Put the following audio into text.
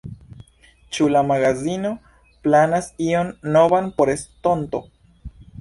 Ĉu la magazino planas ion novan por estonto?